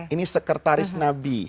ini sekretaris nabi